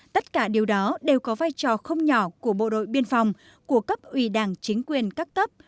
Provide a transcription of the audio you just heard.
tất cả điều đó đều có vai trò không nhỏ của bộ đội biên phòng của cấp ủy đảng chính quyền các cấp